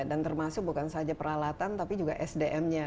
dan termasuk bukan saja peralatan tapi juga sdm nya